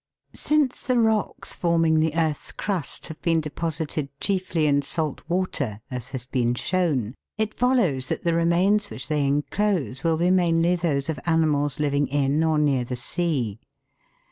SINCE the rocks forming the earth's crust have been deposited chiefly in salt water, as has been shown, it follows that the remains which they enclose will be mainly those of animals living in or near the sea.